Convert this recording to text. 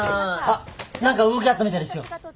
あっ何か動きあったみたいですよ。